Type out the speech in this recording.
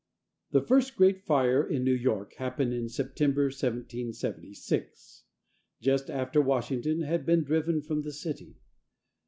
The first great fire in New York happened in September, 1776, just after Washington had been driven from the city.